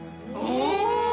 お！